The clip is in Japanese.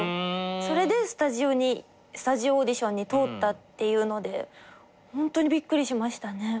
それでスタジオオーディションに通ったっていうのでホントにびっくりしましたね。